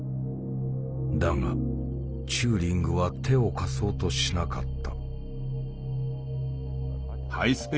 だがチューリングは手を貸そうとしなかった。